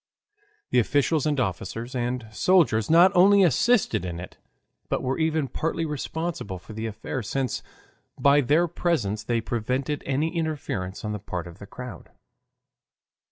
The officials, and officers, and soldiers not only assisted in it, but were even partly responsible for the affair, since by their presence they prevented any interference on the part of the crowd.